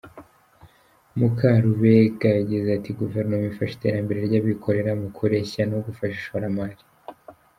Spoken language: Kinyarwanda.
Mukarubega yagize ati “Guverinoma ifasha iterambere ry’abikorera mu kureshya no gufasha ishoramari.